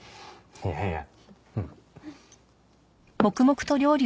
いやいや。